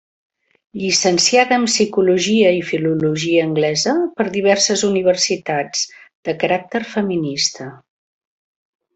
Llicenciada en psicologia i filologia anglesa per diverses universitats, de caràcter feminista.